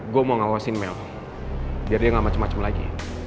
gue mau ngawasin melk jadi dia gak macem macem lagi